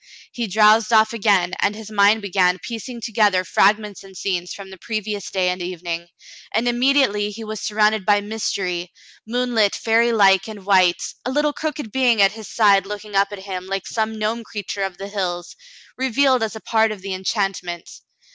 He drowsed off again, and his mind began piecing together fragments and scenes from the previous day and evening, and immediately he was sur rounded by mystery, moonlit, fairylike, and white, a little crooked being at his side looking up at him like some gnome creature of the hills, revealed as a part of the en chantment.